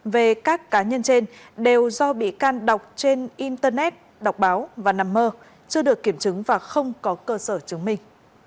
về các cá nhân trên đều do bị can đọc trên internet đọc báo và nằm mơ chưa được kiểm chứng và không có cơ sở chứng minh